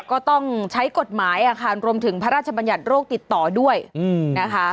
ก็ต้องใช้กฎหมายรวมถึงพระราชบัญญัติโรคติดต่อด้วยนะคะ